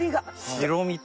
白身と。